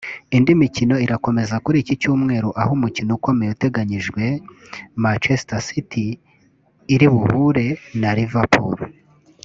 Indi mikino irakomeza kuri iki cyumweru aho umukino ukomeye uteganyijwe Manchester City iribuhure na Liverpool